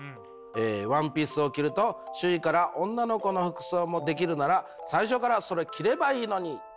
ワンピースを着ると周囲から女の子の服装もできるなら最初からそれ着ればいいのにと言われました。